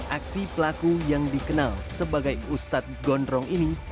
aksi pelaku yang dikenal sebagai ustadz gondrong ini